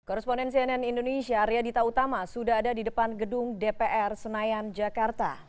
koresponden cnn indonesia arya dita utama sudah ada di depan gedung dpr senayan jakarta